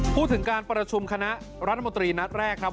พูดถึงการประชุมคณะรัฐมนตรีนัดแรกครับ